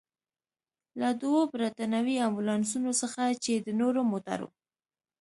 له دوو برتانوي امبولانسونو څخه، چې د نورو موټرو.